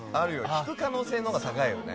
引く可能性のほうが高いよね。